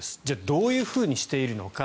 どういうふうにしているのか。